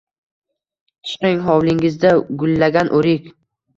Chiqing, hovlingizda gullagan o’rik